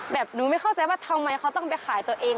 แบบหนูไม่เข้าใจว่าทำไมเขาต้องไปขายตัวเอง